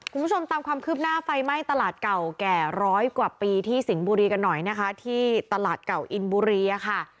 คุณผู้ชมตามความคืบหน้าไฟไหม้ตลาดเก่าแก่ร้อยกว่าปีที่สิงห์บุรีกันหน่อยนะคะที่ตลาดเก่าอินบุรีอะค่ะ